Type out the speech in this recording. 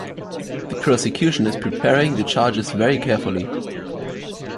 The prosecution is preparing the charges very carefully.